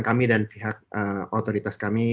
kami dan pihak otoritas kami